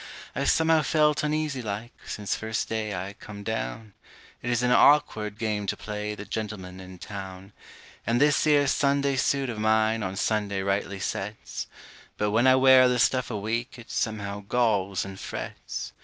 I've somehow felt uneasy like, since first day I come down; It is an awkward game to play the gentleman in town; And this 'ere Sunday suit of mine on Sunday rightly sets; But when I wear the stuff a week, it somehow galls and frets.